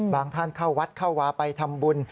ท่านเข้าวัดเข้าวาไปทำบุญ